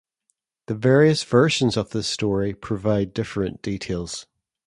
The various versions of this story provide different details.